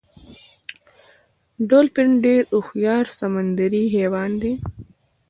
ډولفین ډیر هوښیار سمندری حیوان دی